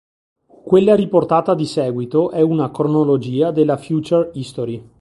Quella riportata di seguito è una cronologia della "Future History".